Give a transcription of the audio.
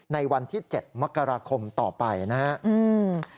ในวันที่๗มกราคมต่อไปนะครับ